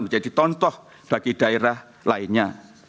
menjadi contoh bagi daerah lainnya